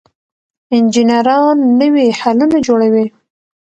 انجنیران نوي حلونه جوړوي.